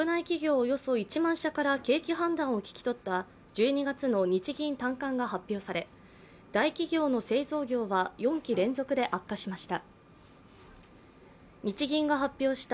およそ１万社から景気判断を聞き取った１２月の日銀短観が発表され、大企業の製造業は４期連続で悪化しました。